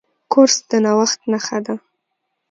کورس د نوښت نښه ده.